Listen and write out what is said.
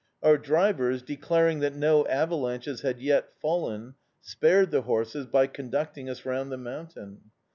Our drivers, declaring that no avalanches had yet fallen, spared the horses by conducting us round the mountain.